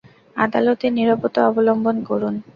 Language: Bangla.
আদালতে নীরবতা অবলম্বন করুন!